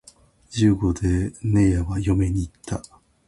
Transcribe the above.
十五でねえやは嫁に行った